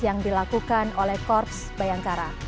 yang dilakukan oleh korps bayangkara